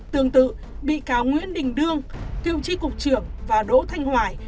tương tự bị cáo nguyễn đình đương cựu tri cục trưởng và đỗ thanh hoài